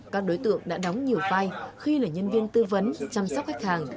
các đối tượng đã đóng nhiều vai khi là nhân viên tư vấn chăm sóc khách hàng